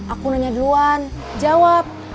aku nanya duluan jawab